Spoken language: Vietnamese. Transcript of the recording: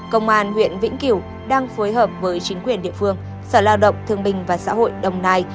công an huyện vĩnh kiểu đang phối hợp với chính quyền địa phương sở lao động thương bình và xã hội đồng nai